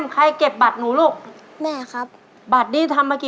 ตัวเลือดที่๓ม้าลายกับนกแก้วมาคอ